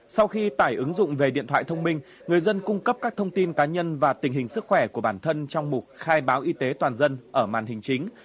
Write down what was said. sau khi tải ứng dụng về điện thoại thông minh người dân cung cấp các thông tin cá nhân và tình hình sức khỏe của bản thân trong mục khai báo y tế toàn dân ở màn hình chính